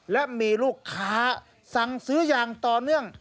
และมีลูกค้าสั่งซื้ออย่างต่อเนื่อง